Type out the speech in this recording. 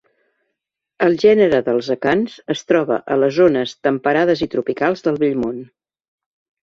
El gènere dels acants es troba a les zones temperades i tropicals del Vell Món.